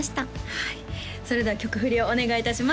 はいそれでは曲振りをお願いいたします